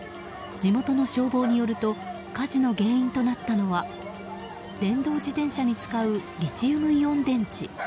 地元の消防によると火事の原因となったのは電動自転車に使うリチウムイオン電池。